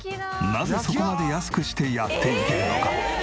なぜそこまで安くしてやっていけるのか？